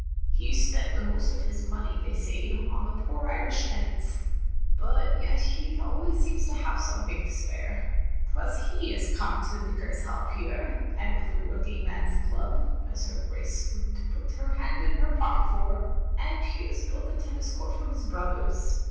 " He 's spent the most of his money, they say, on his poor Irish tenants; but yet he always seems to have a somthing to spare. T was he as come to the Vicar's help here, with the working man's dub, as her Grace would n't put her hand in her pocket for; and he has built the tennis court for his brothers.